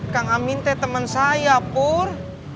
kang amin teh teman saya pur